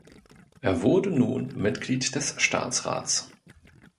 Er wurde nun Mitglied des Staatsrats.